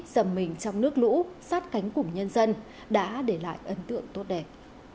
dầm mình trong nước lũ sát cánh củng nhân dân đã để lại ấn tượng tốt đẹp